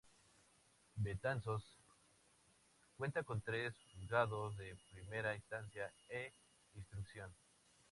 Betanzos cuenta con tres Juzgados de Primera Instancia e Instrucción.